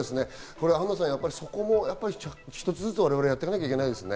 アンナさん、そこも一つずつ我々やっていかなきゃいけないですね。